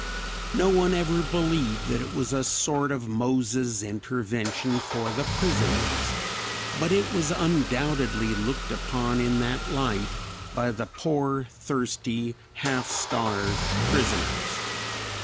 No one ever believed that it was a sort of Moses intervention for the prisoners, but it was undoubtedly looked upon in that light by the poor, thirsty, half starved prisoners."